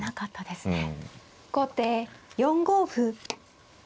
後手４五歩。